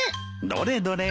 どれどれ？